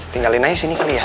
tinggalin aja sini kali ya